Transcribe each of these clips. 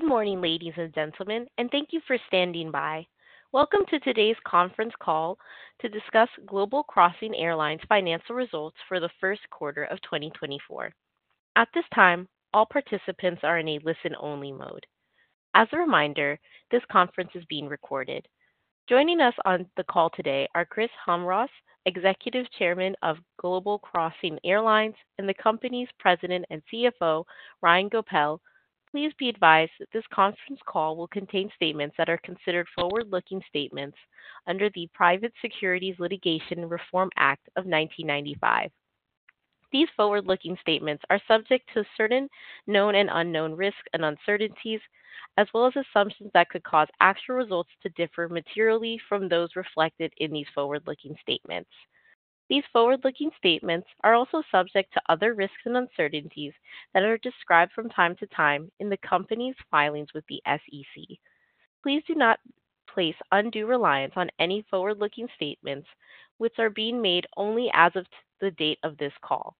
Good morning, ladies and gentlemen, and thank you for standing by. Welcome to today's conference call to discuss Global Crossing Airlines' financial results for the first quarter of 2024. At this time, all participants are in a listen-only mode. As a reminder, this conference is being recorded. Joining us on the call today are Chris Jamroz, Executive Chairman of Global Crossing Airlines, and the company's President and CFO, Ryan Goepel. Please be advised that this conference call will contain statements that are considered forward-looking statements under the Private Securities Litigation and Reform Act of 1995. These forward-looking statements are subject to certain known and unknown risks and uncertainties, as well as assumptions that could cause actual results to differ materially from those reflected in these forward-looking statements. These forward-looking statements are also subject to other risks and uncertainties that are described from time to time in the company's filings with the SEC. Please do not place undue reliance on any forward-looking statements, which are being made only as of the date of this call.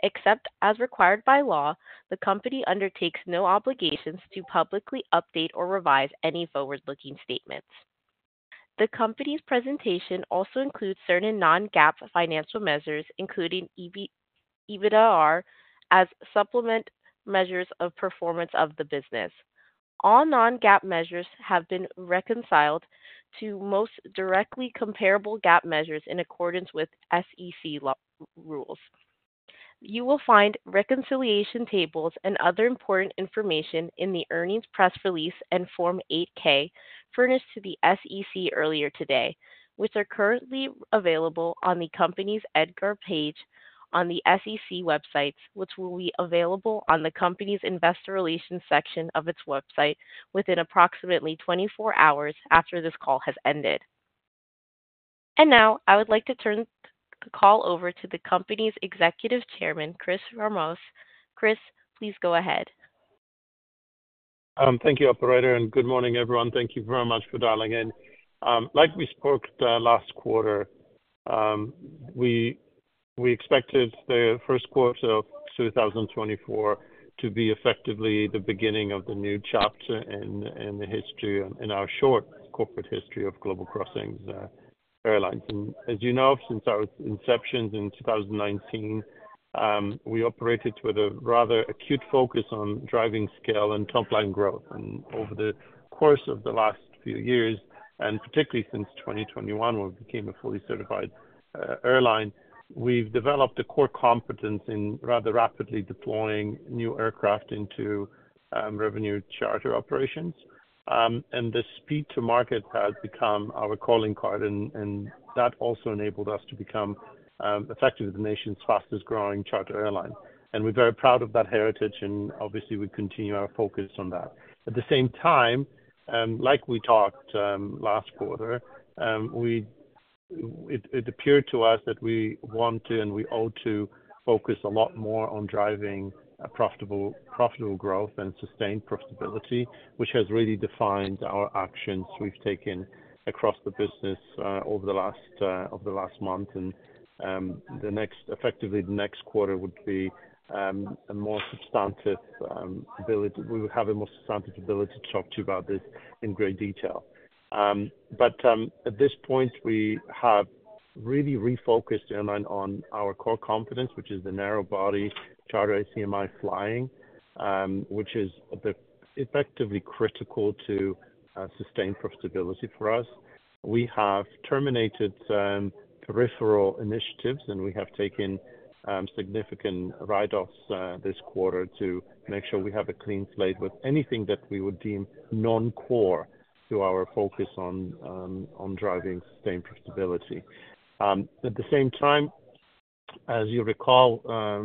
Except as required by law, the company undertakes no obligations to publicly update or revise any forward-looking statements. The company's presentation also includes certain non-GAAP financial measures, including EBITDAR, as supplemental measures of performance of the business. All non-GAAP measures have been reconciled to most directly comparable GAAP measures in accordance with SEC rules. You will find reconciliation tables and other important information in the earnings press release and Form 8-K furnished to the SEC earlier today, which are currently available on the company's EDGAR page on the SEC website, which will be available on the company's investor relations section of its website within approximately 24 hours after this call has ended. Now I would like to turn the call over to the company's Executive Chairman, Chris Jamroz. Chris, please go ahead. Thank you, Operator, and good morning, everyone. Thank you very much for dialing in. Like we spoke last quarter, we expected the first quarter of 2024 to be effectively the beginning of the new chapter in the history, in our short corporate history of Global Crossing Airlines. As you know, since our inceptions in 2019, we operated with a rather acute focus on driving scale and top-line growth. Over the course of the last few years, and particularly since 2021 when we became a fully certified airline, we've developed a core competence in rather rapidly deploying new aircraft into revenue charter operations. The speed to market has become our calling card, and that also enabled us to become effectively the nation's fastest-growing charter airline. We're very proud of that heritage, and obviously, we continue our focus on that. At the same time, like we talked last quarter, it appeared to us that we want to and we owe to focus a lot more on driving profitable growth and sustained profitability, which has really defined our actions we've taken across the business over the last month. Effectively, the next quarter we would have a more substantive ability to talk to you about this in great detail. But at this point, we have really refocused the airline on our core competence, which is the narrow-body charter ACMI flying, which is effectively critical to sustained profitability for us. We have terminated peripheral initiatives, and we have taken significant write-offs this quarter to make sure we have a clean slate with anything that we would deem non-core to our focus on driving sustained profitability. At the same time, as you recall,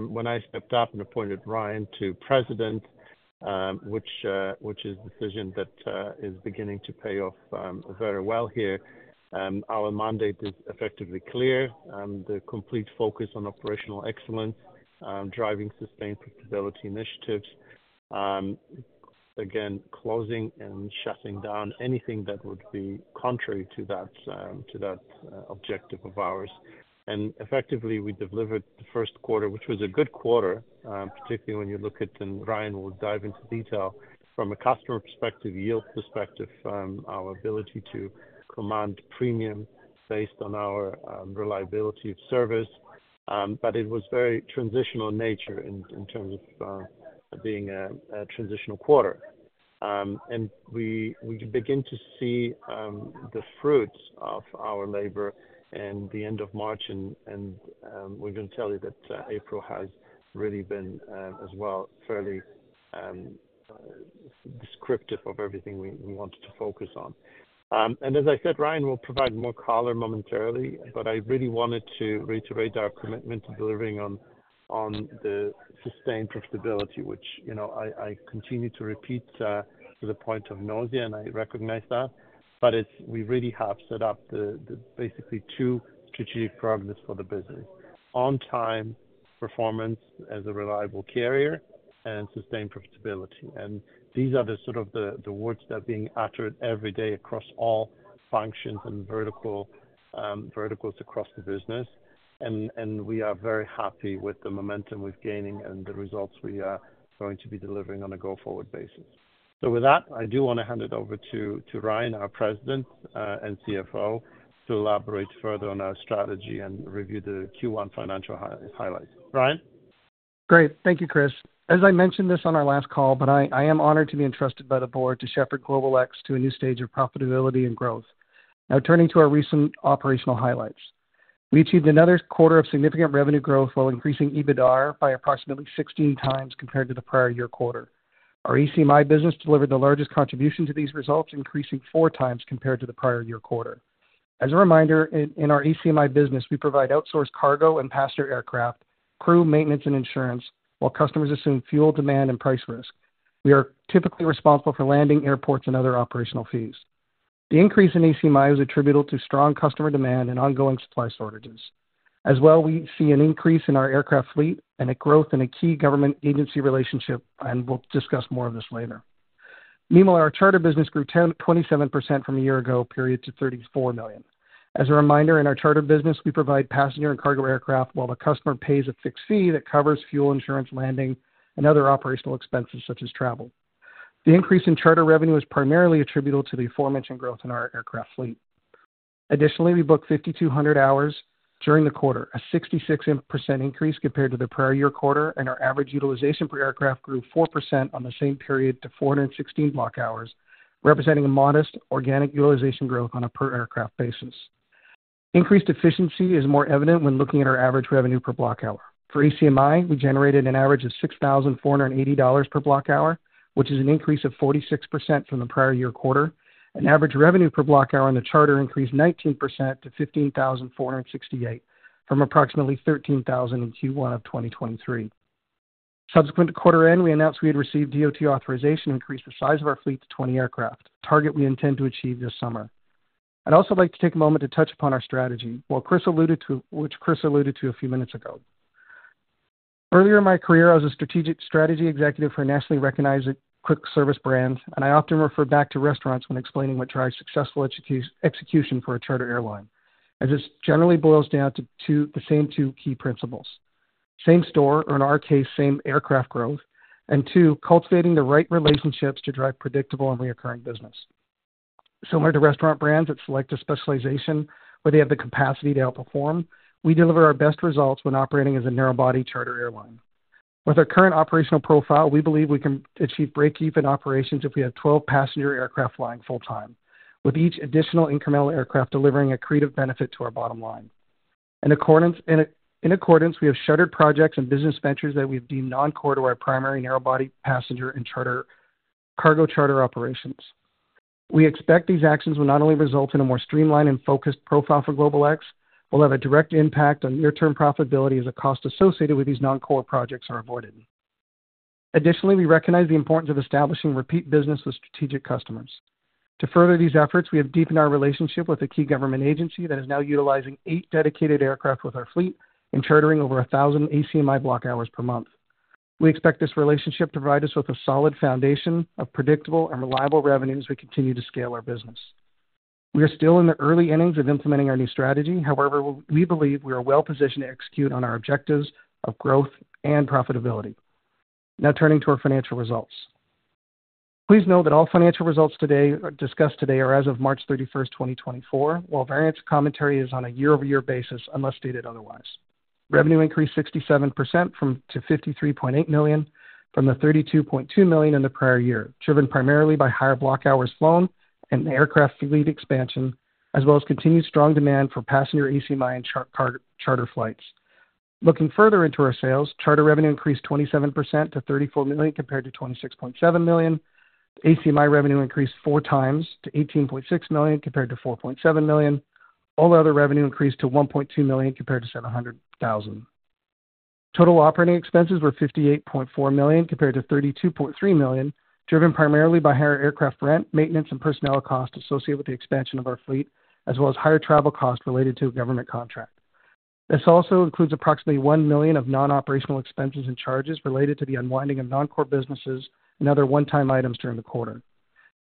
when I stepped up and appointed Ryan to President, which is a decision that is beginning to pay off very well here, our mandate is effectively clear: the complete focus on operational excellence, driving sustained profitability initiatives, again, closing and shutting down anything that would be contrary to that objective of ours. And effectively, we delivered the first quarter, which was a good quarter, particularly when you look at and Ryan will dive into detail. From a customer perspective, yield perspective, our ability to command premium based on our reliability of service. But it was very transitional nature in terms of being a transitional quarter. And we begin to see the fruits of our labor in the end of March, and we're going to tell you that April has really been as well fairly descriptive of everything we wanted to focus on. And as I said, Ryan will provide more color momentarily, but I really wanted to reiterate our commitment to delivering on the sustained profitability, which I continue to repeat to the point of nausea, and I recognize that. But we really have set up basically two strategic programs for the business: on-time performance as a reliable carrier and sustained profitability. And these are the sort of the words that are being uttered every day across all functions and verticals across the business. And we are very happy with the momentum we're gaining and the results we are going to be delivering on a go-forward basis. So with that, I do want to hand it over to Ryan, our President and CFO, to elaborate further on our strategy and review the Q1 financial highlights. Ryan? Great. Thank you, Chris. As I mentioned this on our last call, but I am honored to be entrusted by the board to shepherd GlobalX to a new stage of profitability and growth. Now, turning to our recent operational highlights. We achieved another quarter of significant revenue growth while increasing EBITDAR by approximately 16x compared to the prior-year quarter. Our ACMI business delivered the largest contribution to these results, increasing 4x compared to the prior-year quarter. As a reminder, in our ACMI business, we provide outsourced cargo and passenger aircraft, crew maintenance and insurance, while customers assume fuel demand and price risk. We are typically responsible for landing, airports, and other operational fees. The increase in ACMI is attributable to strong customer demand and ongoing supply shortages. As well, we see an increase in our aircraft fleet and a growth in a key government-agency relationship, and we'll discuss more of this later. Meanwhile, our Charter business grew 27% from a year ago, period to $34 million. As a reminder, in our Charter business, we provide passenger and cargo aircraft while the customer pays a fixed fee that covers fuel insurance, landing, and other operational expenses such as travel. The increase in Charter revenue is primarily attributable to the aforementioned growth in our aircraft fleet. Additionally, we booked 5,200 hours during the quarter, a 66% increase compared to the prior-year quarter, and our average utilization per aircraft grew 4% on the same period to 416 block hours, representing a modest organic utilization growth on a per-aircraft basis. Increased efficiency is more evident when looking at our average revenue per block hour. For ACMI, we generated an average of $6,480 per block hour, which is an increase of 46% from the prior-year quarter. An average revenue per block hour in the Charter increased 19% to $15,468 from approximately $13,000 in Q1 of 2023. Subsequent to quarter end, we announced we had received DOT authorization to increase the size of our fleet to 20 aircraft, a target we intend to achieve this summer. I'd also like to take a moment to touch upon our strategy, which Chris alluded to a few minutes ago. Earlier in my career, I was a strategic strategy executive for a nationally recognized quick service brand, and I often refer back to restaurants when explaining what drives successful execution for a charter airline, as it generally boils down to the same two key principles: same store, or in our case, same-aircraft growth, and two, cultivating the right relationships to drive predictable and reoccurring business. Similar to restaurant brands that select a specialization where they have the capacity to outperform, we deliver our best results when operating as a narrow-body charter airline. With our current operational profile, we believe we can achieve break-even operations if we have 12 passenger aircraft flying full-time, with each additional incremental aircraft delivering an accretive benefit to our bottom line. In accordance, we have shuttered projects and business ventures that we've deemed non-core to our primary narrow-body passenger and cargo charter operations. We expect these actions will not only result in a more streamlined and focused profile for GlobalX, but will have a direct impact on near-term profitability as the costs associated with these non-core projects are avoided. Additionally, we recognize the importance of establishing repeat business with strategic customers. To further these efforts, we have deepened our relationship with a key government agency that is now utilizing eight dedicated aircraft with our fleet and chartering over 1,000 ACMI block hours per month. We expect this relationship to provide us with a solid foundation of predictable and reliable revenue as we continue to scale our business. We are still in the early innings of implementing our new strategy. However, we believe we are well-positioned to execute on our objectives of growth and profitability. Now, turning to our financial results. Please note that all financial results discussed today are as of March 31st, 2024, while variance commentary is on a year-over-year basis unless stated otherwise. Revenue increased 67% to $53.8 million from the $32.2 million in the prior year, driven primarily by higher block hours flown and aircraft fleet expansion, as well as continued strong demand for passenger ACMI and charter flights. Looking further into our sales, charter revenue increased 27% to $34 million compared to $26.7 million. ACMI revenue increased four times to $18.6 million compared to $4.7 million. All other revenue increased to $1.2 million compared to $700,000. Total operating expenses were $58.4 million compared to $32.3 million, driven primarily by higher aircraft rent, maintenance, and personnel costs associated with the expansion of our fleet, as well as higher travel costs related to a government contract. This also includes approximately $1 million of non-operational expenses and charges related to the unwinding of non-core businesses and other one-time items during the quarter.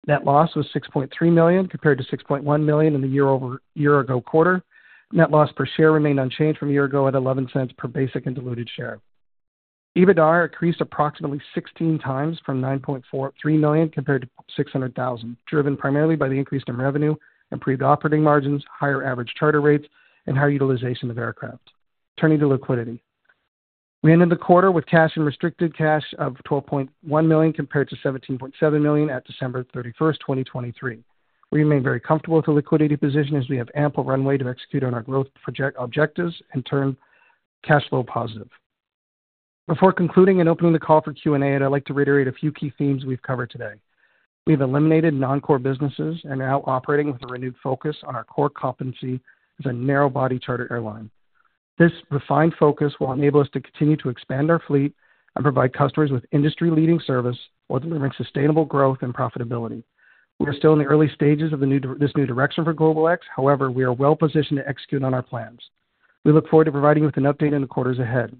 Net loss was $6.3 million compared to $6.1 million in the year-over-year-ago quarter. Net loss per share remained unchanged from a year ago at $0.11 per basic and diluted share. EBITDAR increased approximately 16x from $9.3 million compared to $600,000, driven primarily by the increase in revenue and improved operating margins, higher average charter rates, and higher utilization of aircraft. Turning to liquidity. We ended the quarter with cash and restricted cash of $12.1 million compared to $17.7 million at December 31st, 2023. We remain very comfortable with the liquidity position as we have ample runway to execute on our growth objectives and turn cash flow positive. Before concluding and opening the call for Q&A, I'd like to reiterate a few key themes we've covered today. We've eliminated non-core businesses and are now operating with a renewed focus on our core competency as a narrow-body charter airline. This refined focus will enable us to continue to expand our fleet and provide customers with industry-leading service while delivering sustainable growth and profitability. We are still in the early stages of this new direction for GlobalX. However, we are well-positioned to execute on our plans. We look forward to providing you with an update in the quarters ahead.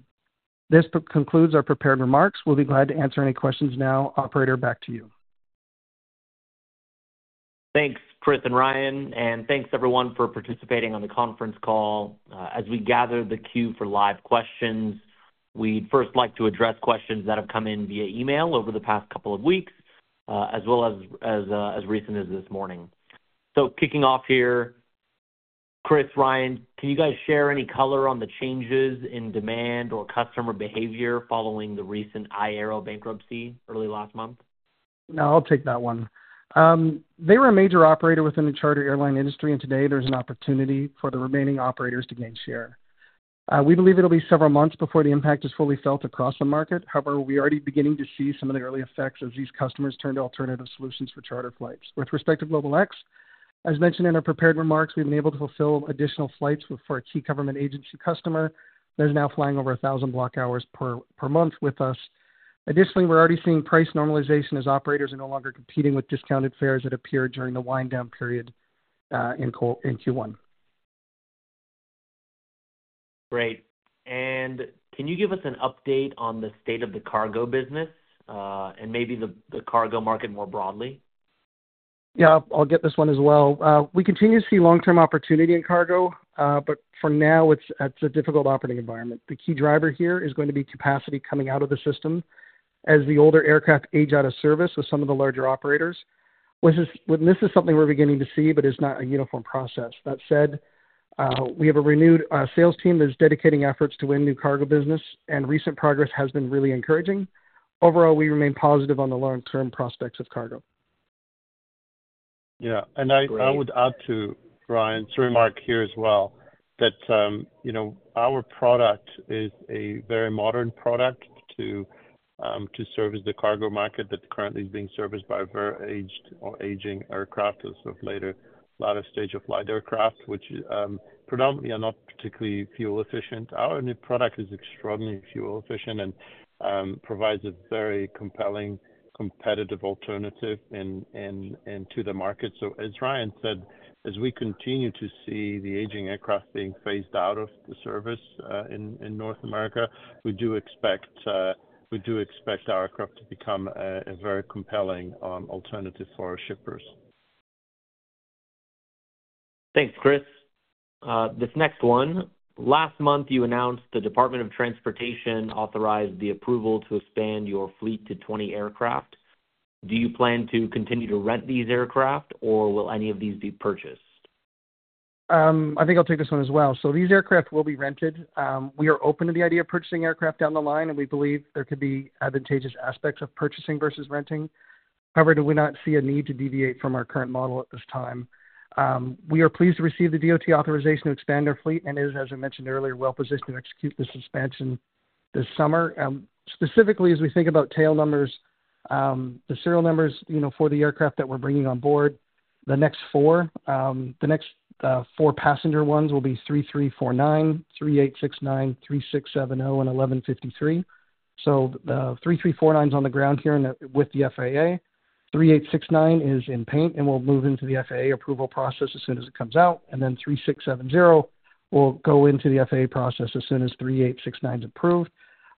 This concludes our prepared remarks. We'll be glad to answer any questions now. Operator, back to you. Thanks, Chris and Ryan, and thanks everyone for participating on the conference call. As we gather the queue for live questions, we'd first like to address questions that have come in via email over the past couple of weeks, as well as, as recent as this morning. Kicking off here, Chris, Ryan, can you guys share any color on the changes in demand or customer behavior following the recent iAero bankruptcy early last month? No, I'll take that one. They were a major operator within the charter airline industry, and today there's an opportunity for the remaining operators to gain share. We believe it'll be several months before the impact is fully felt across the market. However, we're already beginning to see some of the early effects as these customers turn to alternative solutions for charter flights. With respect to GlobalX, as mentioned in our prepared remarks, we've been able to fulfill additional flights for a key government agency customer that is now flying over 1,000 block hours per month with us. Additionally, we're already seeing price normalization as operators are no longer competing with discounted fares that appeared during the wind-down period in Q1. Great. Can you give us an update on the state of the Cargo business and maybe the cargo market more broadly? Yeah, I'll get this one as well. We continue to see long-term opportunity in Cargo, but for now, it's a difficult operating environment. The key driver here is going to be capacity coming out of the system as the older aircraft age out of service with some of the larger operators. And this is something we're beginning to see, but it's not a uniform process. That said, we have a renewed sales team that is dedicating efforts to win new cargo business, and recent progress has been really encouraging. Overall, we remain positive on the long-term prospects of Cargo. Yeah. And I would add to Ryan's remark here as well that our product is a very modern product to service the cargo market that currently is being serviced by very aged or aging aircraft as of later, latter stage of flight aircraft, which predominantly are not particularly fuel efficient. Our new product is extraordinarily fuel efficient and provides a very compelling, competitive alternative to the market. So as Ryan said, as we continue to see the aging aircraft being phased out of the service in North America, we do expect our aircraft to become a very compelling alternative for shippers. Thanks, Chris. This next one, last month you announced the Department of Transportation authorized the approval to expand your fleet to 20 aircraft. Do you plan to continue to rent these aircraft, or will any of these be purchased? I think I'll take this one as well. So these aircraft will be rented. We are open to the idea of purchasing aircraft down the line, and we believe there could be advantageous aspects of purchasing versus renting. However, do we not see a need to deviate from our current model at this time? We are pleased to receive the DOT authorization to expand our fleet and is, as I mentioned earlier, well-positioned to execute this expansion this summer. Specifically, as we think about tail numbers, the serial numbers for the aircraft that we're bringing on board, the next four passenger ones will be 3349, 3869, 3670, and 1153. So the 3349 is on the ground here with the FAA, 3869 is in paint and will move into the FAA approval process as soon as it comes out. And then 3670 will go into the FAA process as soon as 3869 is approved.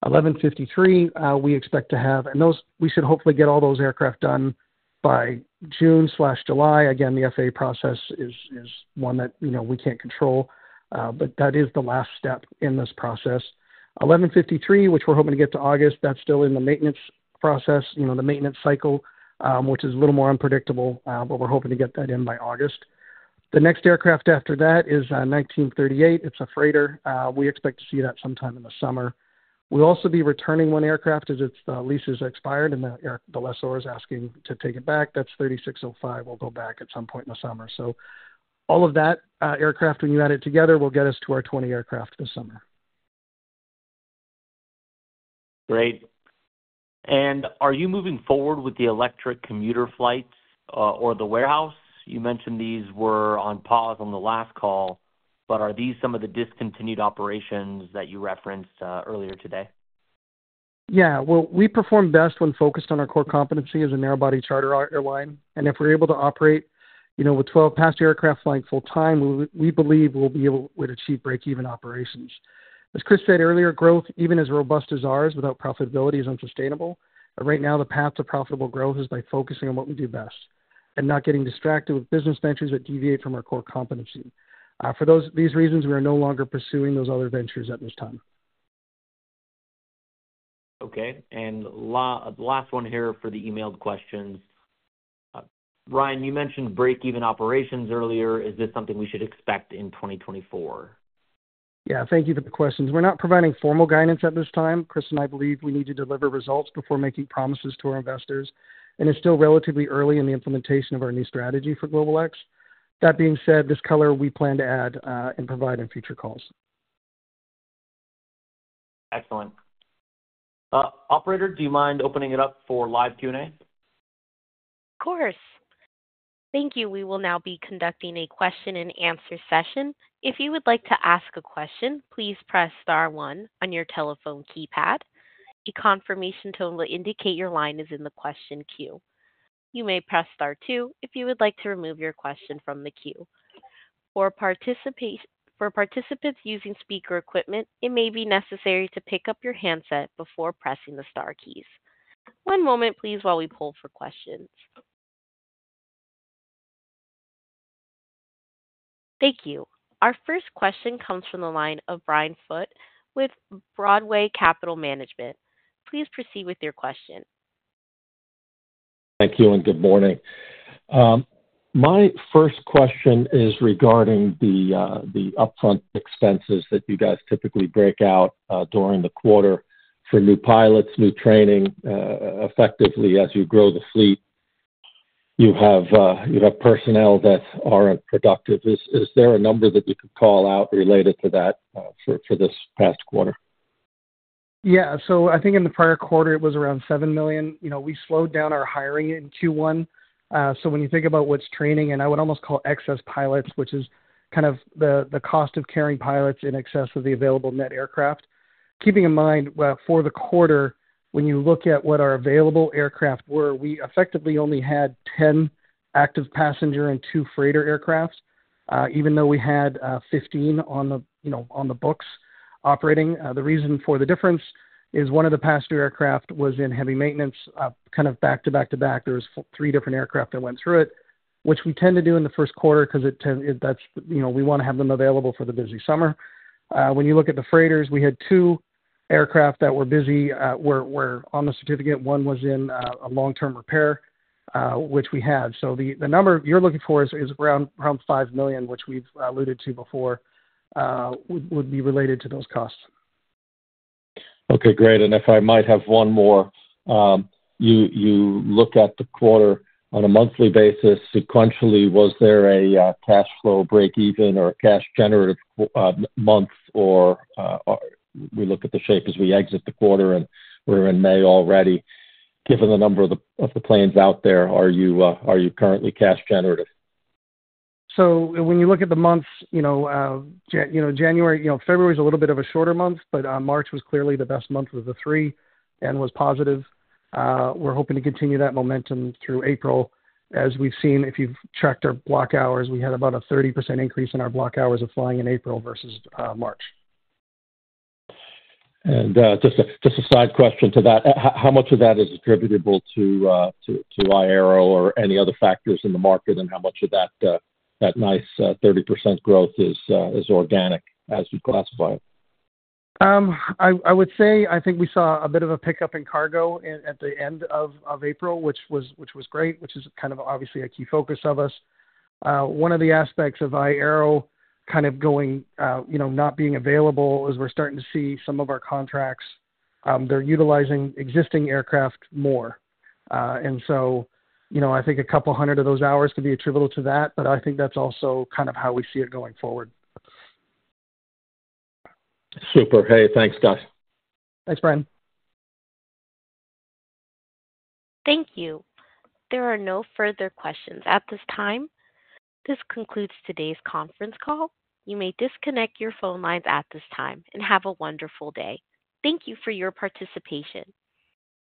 1153, we expect to have and we should hopefully get all those aircraft done by June/July. Again, the FAA process is one that we can't control, but that is the last step in this process. 1153, which we're hoping to get to August, that's still in the maintenance process, the maintenance cycle, which is a little more unpredictable, but we're hoping to get that in by August. The next aircraft after that is 1938. It's a freighter. We expect to see that sometime in the summer. We'll also be returning one aircraft as its lease is expired and the lessor is asking to take it back. That's 3605. We'll go back at some point in the summer. All of that aircraft, when you add it together, will get us to our 20 aircraft this summer. Great. Are you moving forward with the electric commuter flights or the warehouse? You mentioned these were on pause on the last call, but are these some of the discontinued operations that you referenced earlier today? Yeah. Well, we perform best when focused on our core competency as a narrow-body charter airline. If we're able to operate with 12 passenger aircraft flying full-time, we believe we'll be able to achieve break-even operations. As Chris said earlier, growth, even as robust as ours, without profitability, is unsustainable. Right now, the path to profitable growth is by focusing on what we do best and not getting distracted with business ventures that deviate from our core competency. For these reasons, we are no longer pursuing those other ventures at this time. Okay. The last one here for the emailed questions. Ryan, you mentioned break-even operations earlier. Is this something we should expect in 2024? Yeah. Thank you for the questions. We're not providing formal guidance at this time. Chris and I believe we need to deliver results before making promises to our investors. And it's still relatively early in the implementation of our new strategy for GlobalX. That being said, this color, we plan to add and provide in future calls. Excellent. Operator, do you mind opening it up for live Q&A? Of course. Thank you. We will now be conducting a question-and-answer session. If you would like to ask a question, please press star one on your telephone keypad. A confirmation tone will indicate your line is in the question queue. You may press star two if you would like to remove your question from the queue. For participants using speaker equipment, it may be necessary to pick up your handset before pressing the star keys. One moment, please, while we pull for questions. Thank you. Our first question comes from the line of Brian Foote with Broadway Capital Management. Please proceed with your question. Thank you and good morning. My first question is regarding the upfront expenses that you guys typically break out during the quarter for new pilots, new training, effectively as you grow the fleet. You have personnel that aren't productive. Is there a number that you could call out related to that for this past quarter? Yeah. So I think in the prior quarter, it was around $7 million. We slowed down our hiring in Q1. So when you think about what's training, and I would almost call excess pilots, which is kind of the cost of carrying pilots in excess of the available net aircraft. Keeping in mind, for the quarter, when you look at what our available aircraft were, we effectively only had 10 active passenger and two freighter aircraft, even though we had 15 on the books operating. The reason for the difference is one of the passenger aircraft was in heavy maintenance, kind of back to back to back. There was three different aircraft that went through it, which we tend to do in the first quarter because we want to have them available for the busy summer. When you look at the freighters, we had two aircraft that were busy on the certificate. One was in a long-term repair, which we had. So the number you're looking for is around $5 million, which we've alluded to before, would be related to those costs. Okay. Great. And if I might have one more. You look at the quarter on a monthly basis sequentially. Was there a cash flow break-even or cash generative month? Or we look at the shape as we exit the quarter, and we're in May already. Given the number of the planes out there, are you currently cash generative? When you look at the months, January, February is a little bit of a shorter month, but March was clearly the best month of the three and was positive. We're hoping to continue that momentum through April. As we've seen, if you've checked our block hours, we had about a 30% increase in our block hours of flying in April versus March. Just a side question to that. How much of that is attributable to iAero or any other factors in the market, and how much of that nice 30% growth is organic as you classify it? I would say I think we saw a bit of a pickup in cargo at the end of April, which was great, which is kind of obviously a key focus of us. One of the aspects of iAero kind of not being available is we're starting to see some of our contracts, they're utilizing existing aircraft more. And so I think a couple hundred of those hours could be attributable to that, but I think that's also kind of how we see it going forward. Super. Hey, thanks, guys. Thanks, Brian. Thank you. There are no further questions at this time. This concludes today's conference call. You may disconnect your phone lines at this time and have a wonderful day. Thank you for your participation.